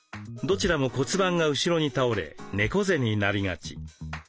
どちらも骨盤が後ろに倒れ猫背になりがち。